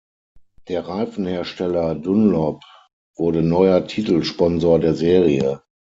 Der Reifenhersteller Dunlop wurde neuer Titelsponsor der Serie.